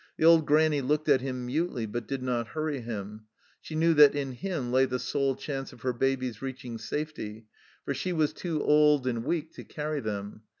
The old granny looked at him mutely, but did not hurry him ; she knew that in him lay the sole chance of her babies reaching safety, for she was too old and weak to 30 THE CELLAR HOUSE OF PERVYSE carry them.